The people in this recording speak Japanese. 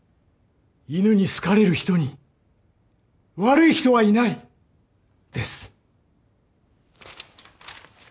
「犬に好かれる人に悪い人はいない！」です。